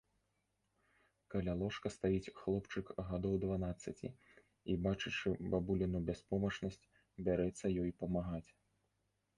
Каля ложка стаіць хлопчык гадоў дванаццаці і, бачачы бабуліну бяспомачнасць, бярэцца ёй памагаць.